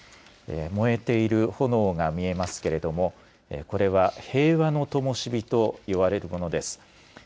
燃えている炎が見えますけれども、これは平和のともし火といわれるものです。